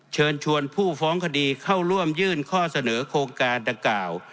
เชิญชวนผู้ฟ้องคดีเข้าร่วมยื่นข้อเสนอโครงการดังกล่าว